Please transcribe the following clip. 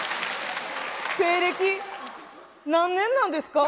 西暦何年なんですか？